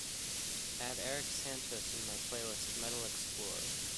add erik santos in my playlist Metal Xplorer